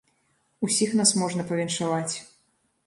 Усіх нас можна павіншаваць.